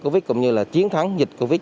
và chiến thắng dịch covid